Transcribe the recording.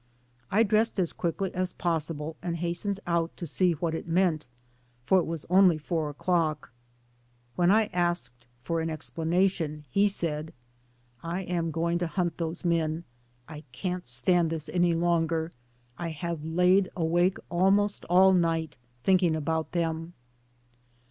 I dressed as quickly as possible, and hastened out to see what it meant — for it was only four o'clock. When I asked for an explanation, he said : *T am going to hunt those men. I can't stand this any longer. I have laid awake almost all night thinking about them."